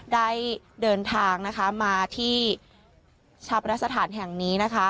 ได้เดินทางนะคะมาที่ชาปนสถานแห่งนี้นะคะ